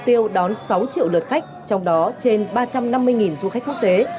mục tiêu đón sáu triệu lượt khách trong đó trên ba trăm năm mươi du khách quốc tế